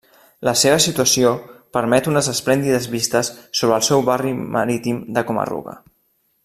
La seva situació permet unes esplèndides vistes sobre el seu barri marítim de Coma-ruga.